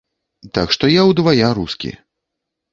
Так што я ўдвая рускі.